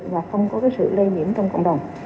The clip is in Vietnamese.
và không có sự lây nhiễm trong cộng đồng